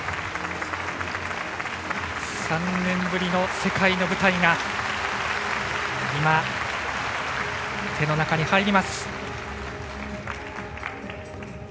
３年ぶりの世界の舞台が今、手の中に入ります。